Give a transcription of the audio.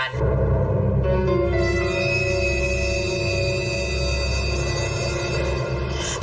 โห้โห้โห้โห้โห้โห้โห้โห้โห้โห้โห้โห้โห้โห้โห้